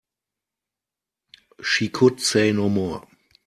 She could say no more.